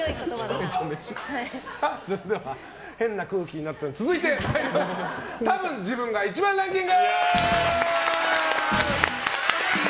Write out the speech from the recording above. それでは変な空気になったので続いてたぶん自分が１番ランキング！